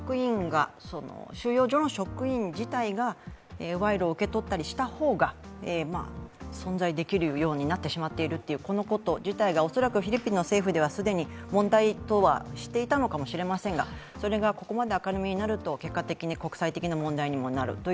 収容所の職員自体が賄賂を受け取ったりした方が存在できるようになってしまっているということ自体が恐らくフィリピンの政府では既に問題等は知っていたかもしれませんがそれがここまで明るみになると結果的に国際的な問題にもなる。